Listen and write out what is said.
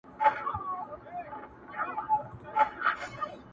هغه نه يوازي يو انسان زيانمنوي بلکي ټوله کورنۍ هم له منځه وړي,